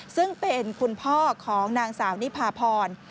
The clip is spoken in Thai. ซึ่งเป็นคุณพ่อของนางสาวนิพาพร